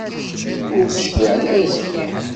Ur d-cliɛen ara seg-i?